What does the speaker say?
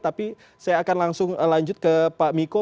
tapi saya akan langsung lanjut ke pak miko